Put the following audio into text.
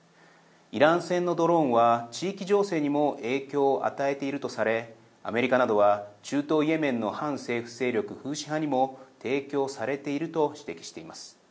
イラン製のドローンは地域情勢にも影響を与えているとされアメリカなどは中東イエメンの反政府勢力フーシ派にも提供されていると指摘しています。